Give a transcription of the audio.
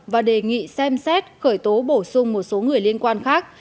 và đề nghị xem xét khởi tố bổ sung một số người liên quan khác